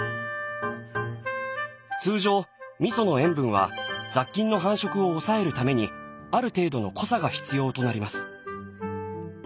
通常味噌の塩分は雑菌の繁殖を抑えるためにある程度の濃さが必要となります。